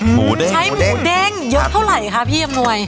หมูเด้งใช้หมูเด้งเยอะเท่าไหร่คะพี่อำนวย